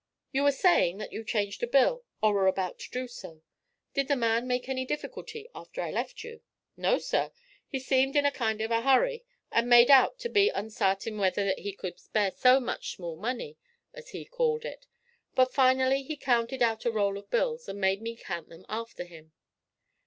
'You were saying that you changed a bill, or were about to do so. Did the man make any difficulty after I left you?' 'No, sir. He seemed in a kind of a hurry, and made out to be onsartin whether he could spare so much small money, as he called it. But finally he counted out a roll of bills, and had me count them after him.'